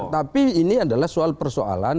tapi ini adalah soal persoalan